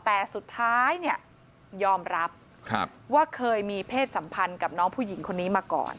แต่สุดท้ายเนี่ยยอมรับว่าเคยมีเพศสัมพันธ์กับน้องผู้หญิงคนนี้มาก่อน